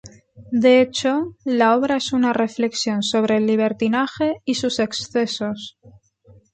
De hecho, la obra es una reflexión sobre el libertinaje y sus excesos.